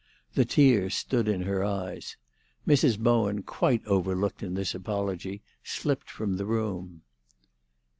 The tears stood in her eyes. Mrs. Bowen, quite overlooked in this apology, slipped from the room.